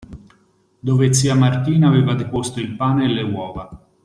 Dove zia Martina aveva deposto il pane e le uova.